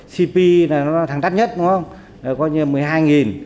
cpi là thằng đắt nhất đúng không coi như một mươi hai